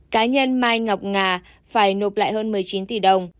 cá nhân mai ngọc nga phải nộp lại hơn một mươi chín tỷ đồng